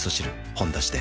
「ほんだし」で